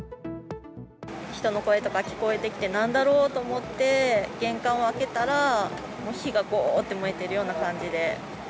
人の声とか聞こえてきて、なんだろうと思って、玄関を開けたら、もう火がごーって燃えてるような感じで。